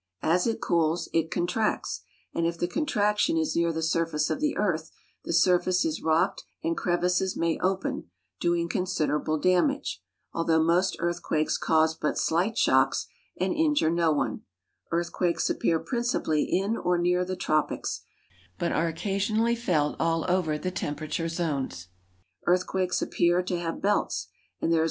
As it cools, it contracts, and if the contraction is near the surface of the earth, the surface is rocked and crevices may open, doing considerable damage, although most earthquakes cause but slight shocks and injure no one. Earthquakes appear principally in or near the tropics, but are occasionally felt all over the temperature zones. Earthquakes appear to have belts, and there is little to be feared from them outside of these territories.